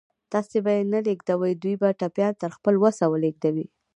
تاسې به یې نه لېږدوئ، دوی به ټپيان تر خپل وسه ولېږدوي.